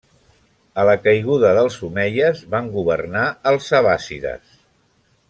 A la caiguda dels omeies van governar els abbàssides.